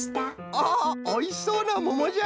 おおいしそうなももじゃ。